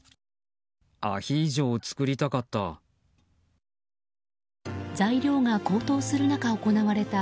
アヒージョを作りたかった。